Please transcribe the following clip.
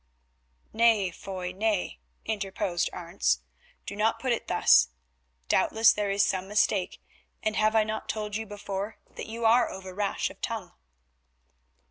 "Nay, Foy, nay," interposed Arentz, "do not put it thus. Doubtless there is some mistake, and have I not told you before that you are over rash of tongue?"